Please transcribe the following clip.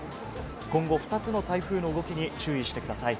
今後２つの台風の動きに注意してください。